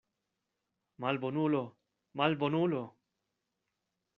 Malbonulo, malbonulo!